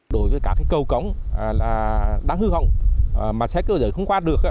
đối với các cái cầu cống là đáng hư hỏng mà xét cơ giới không qua được